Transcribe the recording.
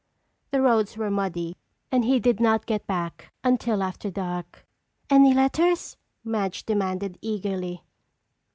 The roads were muddy and he did not get back until after dark. "Any letters?" Madge demanded eagerly.